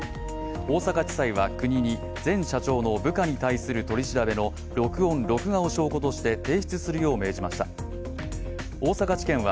大阪地裁は国に前社長の部下に対する取り調べの録音・録画を証拠として提出するよう命じました。